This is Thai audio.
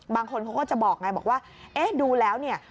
บางคนเขาก็จะบอกไงบอกว่าเอ๊ะดูแล้วเนี่ย